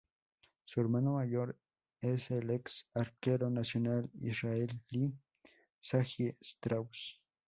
Su hermano mayor es el ex arquero nacional israelí Sagi Strauss.